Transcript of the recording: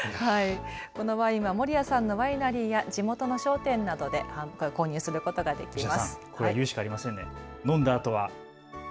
このワインは森谷さんのワイナリーや地元の商店などで購入することができます。